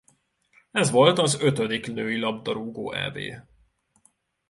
Ez volt az ötödik női labdarúgó Eb.